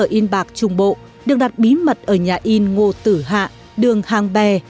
cơ sở in bạc trung bộ được đặt bí mật ở nhà in ngô tử hạ đường hàng bè